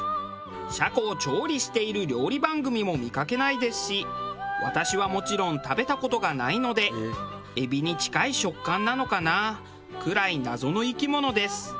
シャコを調理している料理番組も見かけないですし私はもちろん食べた事がないので「エビに近い食感なのかなあ」くらい謎の生き物です。